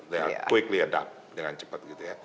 they are quickly adapt dengan cepet gitu ya